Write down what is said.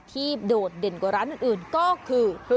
โดดเด่นกว่าร้านอื่นก็คือ